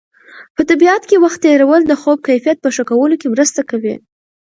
په طبیعت کې وخت تېرول د خوب کیفیت په ښه کولو کې مرسته کوي.